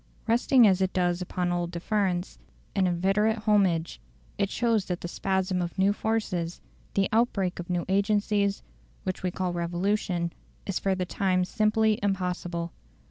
Resting as it does upon old deference, and inveterate homage, it shows that the spasm of new forces, the outbreak of new agencies, which we call revolution, is for the time simply impossible.